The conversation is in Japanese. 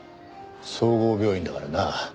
総合病院だからな。